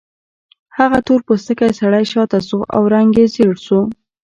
هغه تور پوستکی سړی شاته شو او رنګ یې ژیړ شو